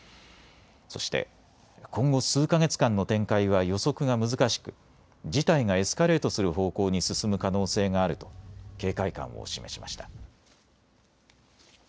そして今後、数か月間の展開は予測が難しく事態がエスカレートする方向に進む可能性があると警戒感を示しました。